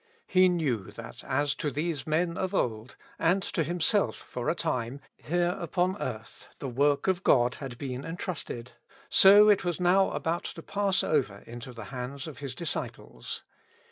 He knew that as to these men of old, and to Himself for a time, here upon earth, the work of God had been entrusted, so it was now about to pass over into the hands of His disciples.